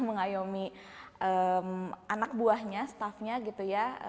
mengayomi anak buahnya staffnya gitu ya